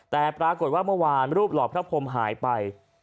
แต่ปรากฏว่าเมื่อวานรูปหล่อพระพรมหายไป